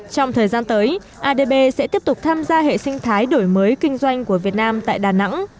trong thời gian tới adb sẽ tiếp tục tham gia hệ sinh thái đổi mới kinh doanh của việt nam tại đà nẵng